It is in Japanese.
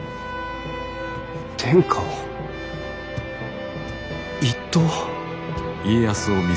天下を一統？